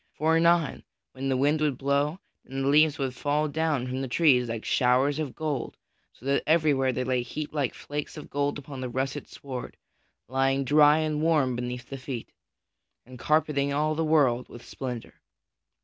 For anon, when the wind would blow, then the leaves would fall down from the trees like showers of gold so that everywhere they lay heaped like flakes of gold upon the russet sward, rustling dry and warm beneath the feet, and carpeting all the world with splendor.